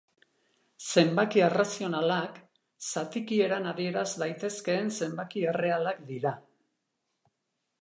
Zenbaki arrazionalak, zatiki eran adieraz daitezkeen zenbaki errealak dira.